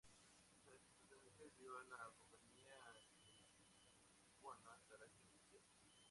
Esta circunstancia dio a la Compañía Guipuzcoana carácter oficial.